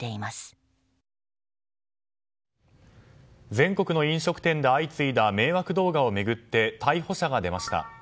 全国の飲食店で相次いだ迷惑動画を巡って逮捕者が出ました。